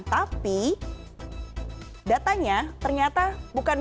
tapi datanya ternyata bukan